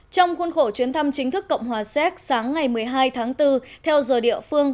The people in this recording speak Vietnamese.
trong khuôn khổ chuyến thăm chính thức cộng hòa séc sáng ngày một mươi hai tháng bốn theo giờ địa phương